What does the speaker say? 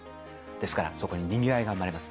ですから、そこににぎわいが生まれます。